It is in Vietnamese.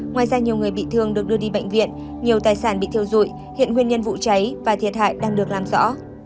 ngoài ra nhiều người bị thương được đưa đi bệnh viện nhiều tài sản bị thiêu dụi hiện nguyên nhân vụ cháy và thiệt hại đang được làm rõ